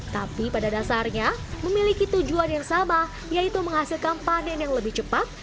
tapi pada dasarnya memiliki tujuan yang sama yaitu menghasilkan panen yang lebih cepat